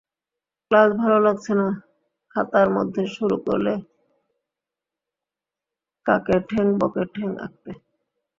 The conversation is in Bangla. ক্লাস ভালো লাগছে না, খাতার মধ্যে শুরু করলে কাকের ঠ্যাং বকের ঠ্যাং আঁকতে।